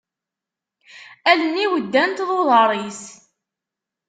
Allen-iw ddant d uḍar-is.